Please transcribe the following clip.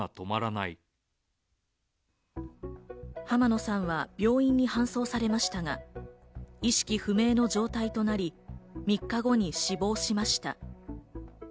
浜野さんは病院に搬送されましたが、意識不明の状態となり、３日後に死亡しました。